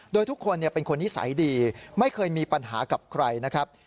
โดยทุกคนเป็นคนนิสัยดีไม่เคยมีปัญหากับใครนะครับ